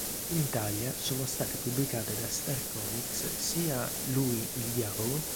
In Italia sono state pubblicate da Star Comics sia "Lui, il diavolo!